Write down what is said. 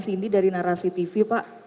cindy dari narasi tv pak